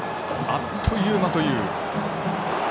あっという間という。